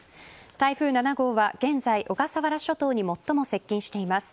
台風７号は現在、小笠原諸島に最も接近しています。